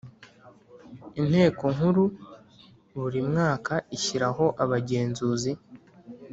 Inteko nkuru buri mwaka ishyiraho abagenzuzi